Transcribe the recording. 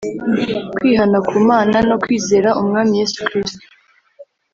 kwihana ku Mana no kwizera Umwami Yesu kristo.